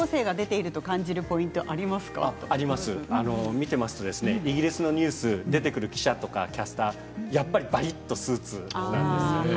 見ていますとイギリスのニュース出てくる記者やキャスターぱりっとスーツなんですよね。